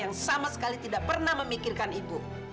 yang sama sekali tidak pernah memikirkan ibu